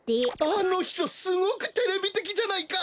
あのひとすごくテレビてきじゃないか。